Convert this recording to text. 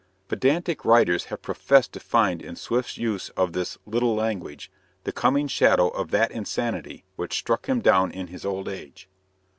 Pedantic writers have professed to find in Swift's use of this "little language" the coming shadow of that insanity which struck him down in his old age.